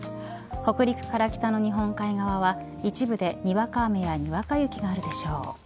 北陸から北の日本海側は一部でにわか雨やにわか雪があるでしょう。